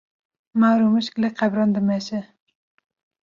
Mar û mişk li qebran dimeşe